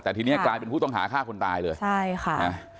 แต่ทีนี้กลายเป็นผู้ต้องหาฆ่าคนตายเลยใช่ค่ะนะ